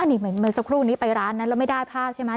นี่เหมือนเมื่อสักครู่นี้ไปร้านนั้นแล้วไม่ได้ผ้าใช่ไหม